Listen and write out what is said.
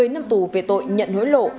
một mươi năm tù về tội nhận hối lộ